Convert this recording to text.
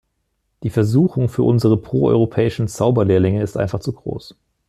Die Versuchung für unsere pro-europäischen Zauberlehrlinge ist einfach zu groß.